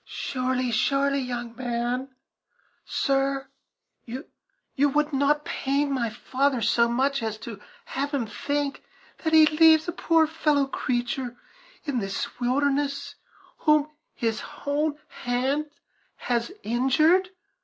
"Surely, surely young man sir you would not pain my father so much as to have him think that he leaves a fellow creature in this wilderness whom his own hand has injured.